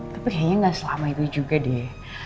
tapi kayaknya gak selama itu juga deh